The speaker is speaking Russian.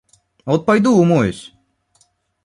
А вот пойду умоюсь.